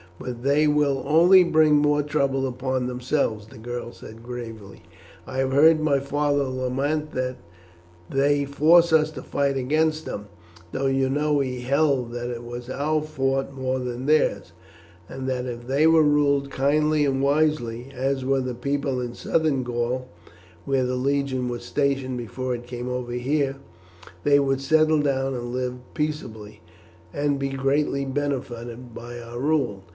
"But they will only bring more trouble upon themselves," the girl said gravely. "I have heard my father lament that they forced us to fight against them, though you know he held that it was our fault more than theirs, and that if they were ruled kindly and wisely, as were the people in Southern Gaul, where the legion was stationed before it came over here, they would settle down and live peaceably, and be greatly benefited by our rule."